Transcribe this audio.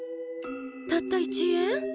たった１円？